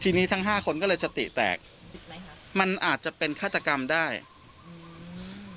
ทีนี้ทั้งห้าคนก็เลยสติแตกไหมครับมันอาจจะเป็นฆาตกรรมได้อืม